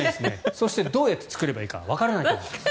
そして、どうやって作ればいいかわからない。